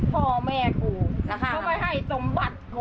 พ่อแม่กูเขาไม่ให้สมบัติกู